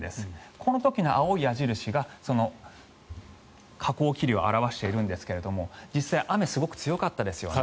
この時の青い矢印がその下降気流を表しているんですが実際雨がすごく強かったですよね。